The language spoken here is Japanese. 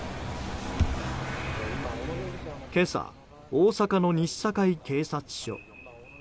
今朝、大阪の西堺警察署。